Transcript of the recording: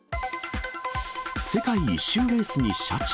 世界一周レースにシャチ？